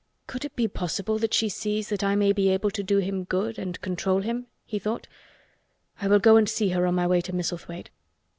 "Could it be possible that she sees that I may be able to do him good and control him?" he thought. "I will go and see her on my way to Misselthwaite."